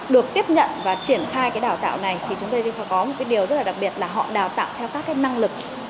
được tiếp nhận và triển khai cái đào tạo này thì chúng tôi sẽ có một cái điều rất là đặc biệt là họ đào tạo theo các cái năng lực